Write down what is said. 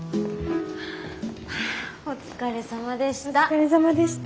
お疲れさまでした。